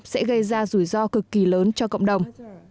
sẽ gây ra rủi ro cực kỳ lớn cho cộng đồng